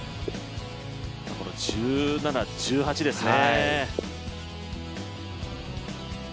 １７、１８ですね。